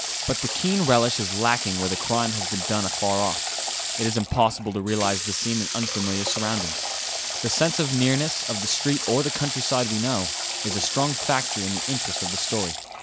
But the keen relish is lacking where the crime has been done afar off. It is impossible to realise the scene in unfamiliar surroundings. The sense of nearness, of the street or the countryside we know, is a strong factor in the interest of the story.